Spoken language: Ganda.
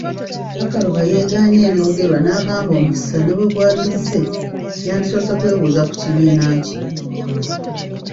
Bakaluba yeegaanye ebyogerwa n'agamba omukisa ne bwe gwandizze yandisoose kwebuuza ku kibiina kye.